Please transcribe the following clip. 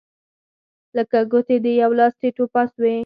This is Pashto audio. لکه ګوتې د یوه لاس ټیت و پاس وې.